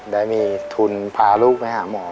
ได้มีทุนพาลูกไปหาหมอ